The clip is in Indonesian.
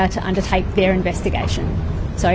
untuk menjalankan penyelidikan mereka